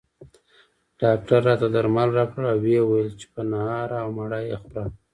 ډاکټر راته درمل راکړل او ویل یې چې په نهاره او مړه یې خوره